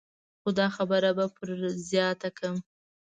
خو دا خبره به پر زیاته کړم.